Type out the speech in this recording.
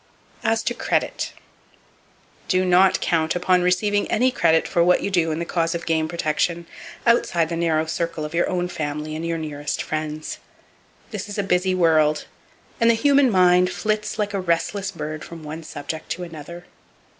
As To "Credit." —Do not count upon receiving any credit for what you do in the cause of game protection, outside the narrow circle of your own family and your nearest friends. This is a busy world; and the human mind flits like a restless bird from one subject to another.